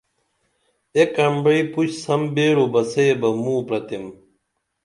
ایک امبعی پُش سم بیرو بہ سے بہ موں پرئتِھم